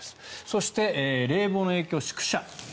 そして、冷房の影響、宿舎。